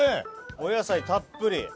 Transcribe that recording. お野菜たっぷり。